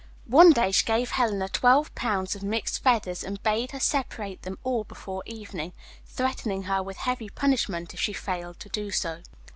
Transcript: One day she gave Helena twelve pounds of mixed feathers and bade her separate them all before evening, threatening her with heavy punishment if she failed to do so.